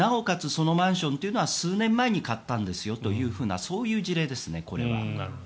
そのマンションというのは数年前に買ったんですよというようなそういう事例ですね、これは。